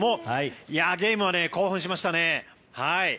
ゲームは興奮しましたね。